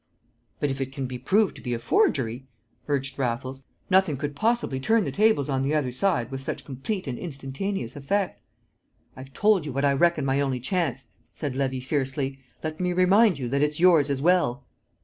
"But if it can be proved to be a forgery," urged Raffles, "nothing could possibly turn the tables on the other side with such complete and instantaneous effect." "I've told you what I reckon my only chance," said Levy fiercely. "Let me remind you that it's yours as well!"